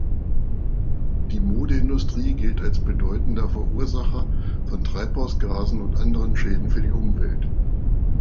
Die Modeindustrie gilt als bedeutender Verursacher von Treibhausgasen und anderen Schäden für die Umwelt.